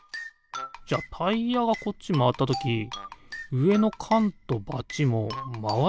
じゃタイヤがこっちまわったときうえのかんとバチもまわっちゃいそうだよね。